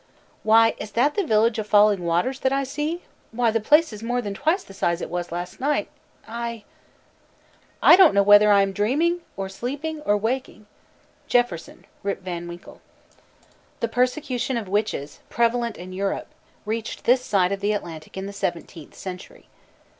"Why, is that the village of Falling Waters that I see? Why, the place is more than twice the size it was last night I "I don't know whether I am dreaming, or sleeping, or waking." JEFFERSON: Rip Van Winkle. The persecution of witches, prevalent in Europe, reached this side of the Atlantic in the seventeenth century.